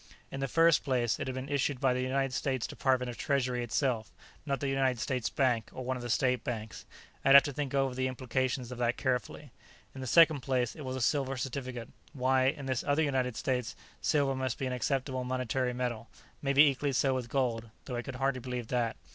In the first place, it had been issued by the United States Department of Treasury itself, not the United States Bank or one of the State Banks. I'd have to think over the implications of that carefully. In the second place, it was a silver certificate; why, in this other United States, silver must be an acceptable monetary metal; maybe equally so with gold, though I could hardly believe that.